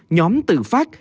nhóm tự phát